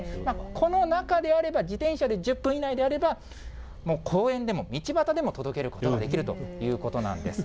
この中であれば、自転車で１０分以内であれば、もう公園でも道端でも届けることができるということなんです。